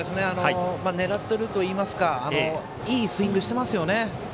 狙っているといいますかいいスイングをしていますね。